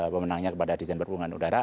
pemenangnya kepada desain berhubungan udara